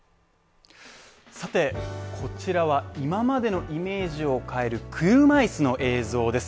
さて、こちらは今までのイメージを変える車いすの映像です。